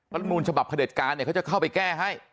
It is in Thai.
รัฐมนูญฉบับเผด็จการเขาจะเข้าไปแก้ให้